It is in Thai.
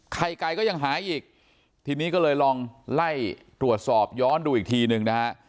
ไข่ไก่ก็ยังหายอีกทีนี้ก็เลยลองไล่ตรวจสอบย้อนดูอีกทีหนึ่งนะฮะ